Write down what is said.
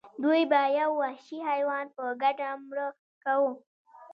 دوی به یو وحشي حیوان په ګډه مړه کاوه.